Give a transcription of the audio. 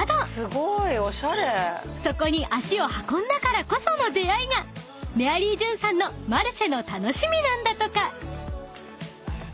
［そこに足を運んだからこその出合いがメアリージュンさんのマルシェの楽しみなんだとか］